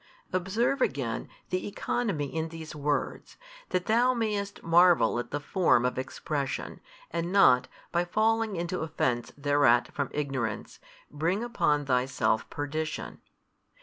Observe again the economy in these words, that thou mayest marvel at the form of expression and not, by falling into offence thereat from ignorance, bring upon thyself perdition.